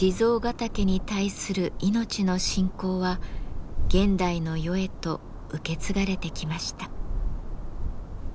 岳に対する命の信仰は現代の世へと受け継がれてきました。